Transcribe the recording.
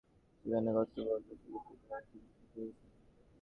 সেখানে কর্তব্যরত চিকিৎসক তাঁকে মৃত ঘোষণা করেছেন।